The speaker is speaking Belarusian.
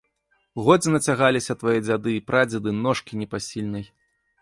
Годзе нацягаліся твае дзяды і прадзеды ношкі непасільнай!